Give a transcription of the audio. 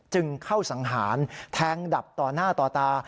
จึงเข้าสังหารแทงดับต่อหน้าต่อตา